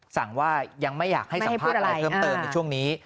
สั่งว่ายังไม่อยากให้สัมภาษณ์อะไรเพิ่มเติมในช่วงนี้